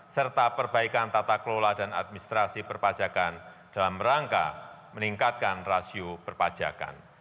serta perbaikan tata kelola dan administrasi perpajakan dalam rangka meningkatkan rasio perpajakan